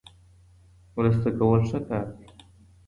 مرسته کول ښه کار دی.